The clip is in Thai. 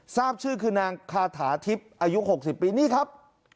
ทราบชื่อคือนางคาถาทิพย์อายุ๖๐ปีนี่ครับ